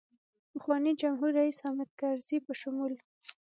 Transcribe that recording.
پخواني جمهورریس حامدکرزي په شمول.